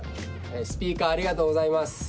スピーカーありがとうございます。